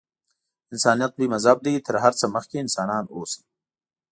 انسانیت لوی مذهب دی. تر هر څه مخکې انسانان اوسئ.